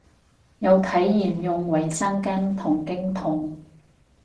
有體驗用衛生巾同經痛